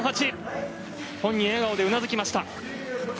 本人、笑顔でうなずきました。